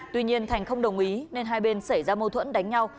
tuy nhiên thành không đồng ý nên hai bên xảy ra mâu thuẫn đánh nhau